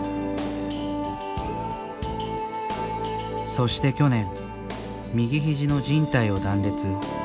そして去年右肘のじん帯を断裂。